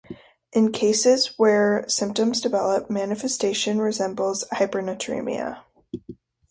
In cases where symptoms develop, manifestation resembles hypernatremia.